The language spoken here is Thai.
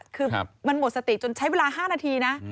คือมันหมดสติจนใช้เวลา๕นาทีนะ